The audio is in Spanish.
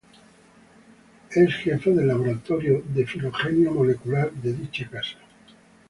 Es Jefa del Laboratorio de filogenia molecular de dicha casa.